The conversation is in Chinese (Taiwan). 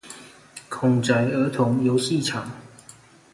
孔宅兒童遊戲場